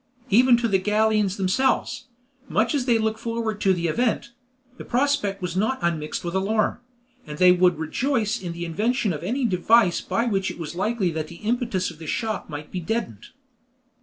Even to the Gallians themselves, much as they looked forward to the event, the prospect was not unmixed with alarm, and they would rejoice in the invention of any device by which it was likely the impetus of the shock might be deadened.